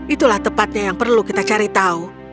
itulah tepatnya yang perlu kita cari tahu